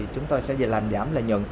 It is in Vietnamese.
chúng tôi sẽ làm giảm lợi nhuận